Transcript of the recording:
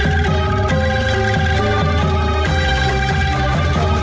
assalamu alaikum warahmatullahi wabarakatuh